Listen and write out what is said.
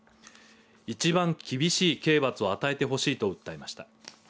一番厳しい刑罰を与えてほしいと訴えました。